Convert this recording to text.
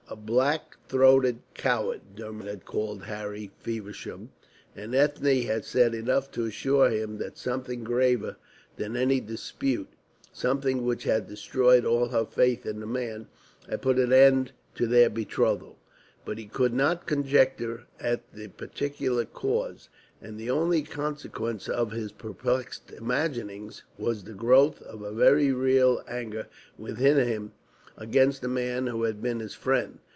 "A black throated coward," Dermod had called Harry Feversham, and Ethne had said enough to assure him that something graver than any dispute, something which had destroyed all her faith in the man, had put an end to their betrothal. But he could not conjecture at the particular cause, and the only consequence of his perplexed imaginings was the growth of a very real anger within him against the man who had been his friend.